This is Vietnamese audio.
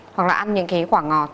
hoặc là ăn những quả ngọt